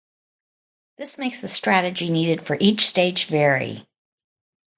This makes the strategy needed for each stage vary.